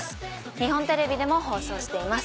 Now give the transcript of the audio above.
日本テレビでも放送しています